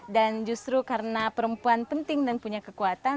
dan justru karena perempuan penting dan punya kekuatan